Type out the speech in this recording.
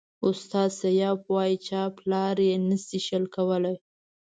استاد سياف وایي چاپلاري نشي شل کولای.